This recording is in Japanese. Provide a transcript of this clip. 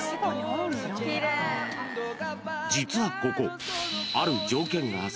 ［実はここ］